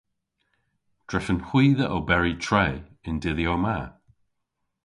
Drefen hwi dhe oberi tre y'n dedhyow ma.